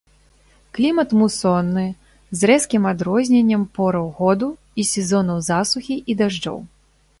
Клімат мусонны, з рэзкім адрозненнем пораў году і сезонаў засухі і дажджоў.